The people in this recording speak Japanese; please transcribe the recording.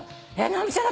直美ちゃん